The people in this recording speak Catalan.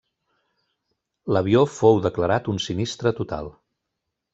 L'avió fou declarat un sinistre total.